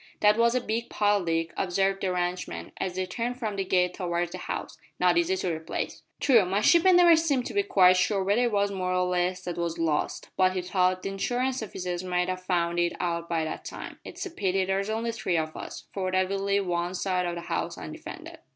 '" "That was a big pile, Dick," observed the ranchman, as they turned from the gate towards the house, "not easy to replace." "True my shipmate never seemed to be quite sure whether it was more or less that was lost, but he thought the Insurance offices must have found it out by that time. It's a pity there's only three of us, for that will leave one side o' the house undefended."